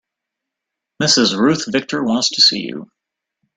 Mrs. Ruth Victor wants to see you.